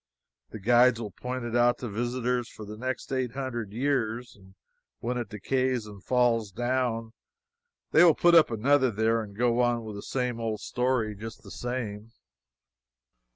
The guides will point it out to visitors for the next eight hundred years, and when it decays and falls down they will put up another there and go on with the same old story just the same.